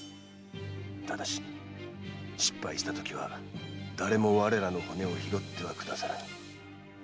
ただし失敗したときは誰も我らの骨を拾ってはくださらぬ。